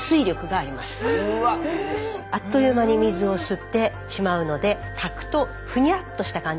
あっという間に水を吸ってしまうので炊くとふにゃっとした感じになるんです。